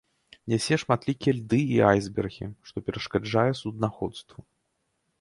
Нясе шматлікія льды і айсбергі, што перашкаджае суднаходству.